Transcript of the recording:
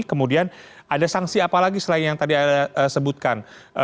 kemudian ada sanksi apa lagi selain yang tadi anda sebutkan